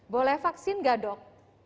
bisa divaksin gak dok